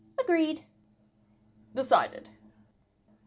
"Agreed." "Decided."